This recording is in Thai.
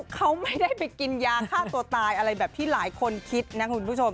เขาไม่ได้ไปกินยาฆ่าตัวตายอะไรแบบที่หลายคนคิดนะคุณผู้ชม